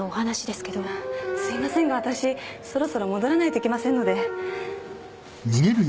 すいませんが私そろそろ戻らないといけませんので。